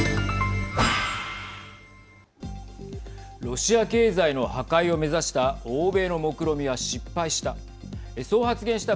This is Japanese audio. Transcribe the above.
ロシア経済の破壊を目指した欧米のもくろみは失敗した。